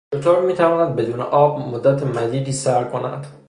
شتر میتواند بدون آب مدت مدیدی سر کند.